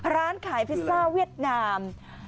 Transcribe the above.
ร้านขายพิซซ่าเวียดนาม